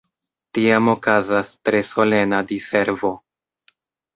Tiam okazas tre solena Diservo.